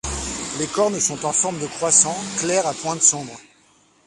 Les cornes sont en forme de croissant, claires à pointes sombres.